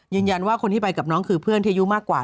ยืนยันว่าคนที่ไปกับน้องคือเพื่อนที่อายุมากกว่า